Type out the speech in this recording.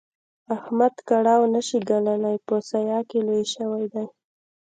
احمد کړاو نه شي ګاللای؛ په سايه کې لوی شوی دی.